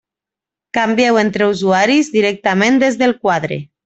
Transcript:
Canvieu entre usuaris directament des del quadre.